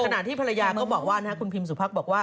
ขนาดที่ภรรยาก็บอกว่านะฮะจริเขาบอกว่า